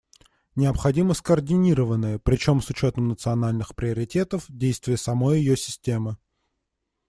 Необходимы скоординированные, причем с учетом национальных приоритетов, действия самой ее системы.